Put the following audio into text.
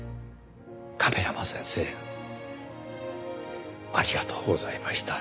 「亀山先生ありがとうございました」